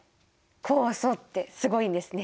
酵素ってすごいんですね。